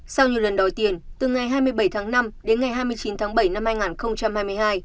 sau nhiều lần đòi tiền từ ngày hai mươi bảy tháng năm đến ngày hai mươi chín tháng bảy năm hai nghìn hai mươi hai